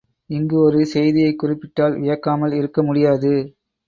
இங்கு ஒரு செய்தியைக் குறிப்பிட்டால் வியக்காமல் இருக்க முடியாது.